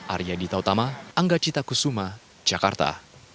arya dita utama anggacita kusuma jakarta